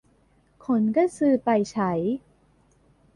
คนก็ซื้อไปใช้